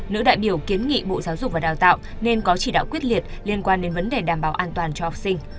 nữ đại biểu kiến nghị bộ giáo dục và đào tạo nên có chỉ đạo quyết liệt liên quan đến vấn đề đảm bảo an toàn cho học sinh